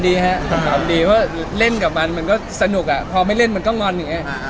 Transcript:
ความดีเพราะเล่นกับมันมันก็สนุกอ่ะพอไม่เล่นมันก็งอนอย่างนี้